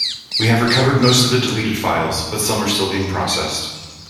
We have recovered most of the deleted files, but some are still being processed.